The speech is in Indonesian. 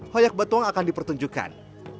hayak batuang akan dipertunjukkan